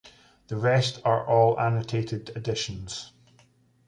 The rest are all annotated editions.